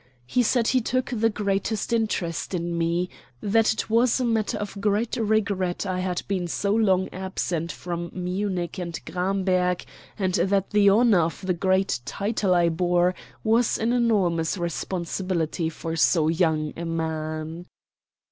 He said he took the greatest interest in me; that it was a matter of great regret I had been so long absent from Munich and Gramberg; and that the honor of the great title I bore was an enormous responsibility for so young a man.